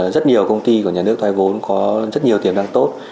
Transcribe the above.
rất nhiều công ty của nhà nước thoái vốn có rất nhiều tiền đăng tốt